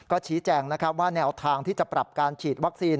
ก็ชี้แจงนะครับว่าแนวทางที่จะปรับการฉีดวัคซีน